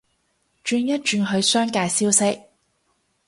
轉一轉去商界消息